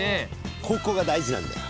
ここが大事なんだよ。